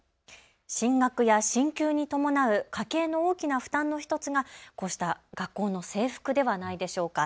進学や進級に伴う家計の大きな負担の１つがこうした学校の制服ではないでしょうか。